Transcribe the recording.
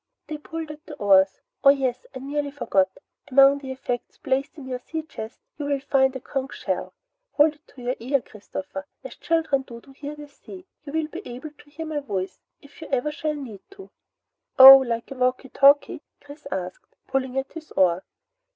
They pulled at the oars. "Oh yes, I nearly forgot. Among the effects placed in your sea chest you will find a conch shell. Hold it to your ear, Christopher, as children do to hear the sea. You will be able to hear my voice, if ever you should need to." "Oh like a walkie talkie?" Chris asked, pulling at his oar.